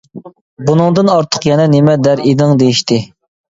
بۇنىڭدىن ئارتۇق يەنە نېمە دەر ئىدىڭ-دېيىشتى.